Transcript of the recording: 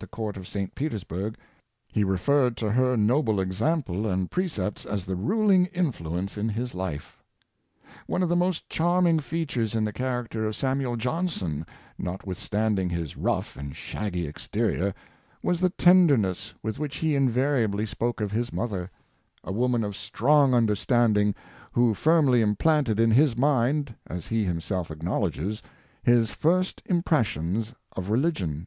the Court of St. Petersburg, he referred to her noble example and precepts as the ruling influence in his life. One of the most charming features in the character of Samuel Johnson, notwithstanding his rough and shaggy exterior, was the tenderness with which he invariably spoke of his mother — a woman of strong understanding, who firmly implanted in his mind, as he himself acknowledges, his first impressions of religion.